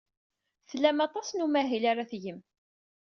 Tlam aṭas n umahil ara tgem.